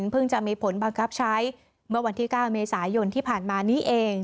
จะมีผลบังคับใช้เมื่อวันที่๙เมษายนที่ผ่านมานี้เอง